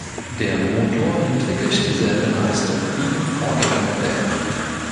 Der Motor entwickelt dieselbe Leistung wie im Vorgängermodell.